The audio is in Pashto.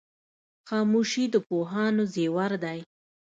خاموشي د پوهانو زیور دی.